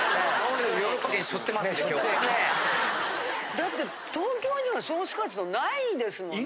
だって東京にはソースカツ丼ないですもんね。